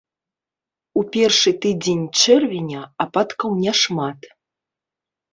У першы тыдзень чэрвеня ападкаў не шмат.